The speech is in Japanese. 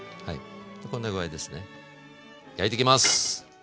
こんな具合ですね焼いてきます。